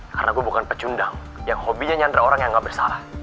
karena gue bukan pecundang yang hobinya nyandra orang yang gak bersalah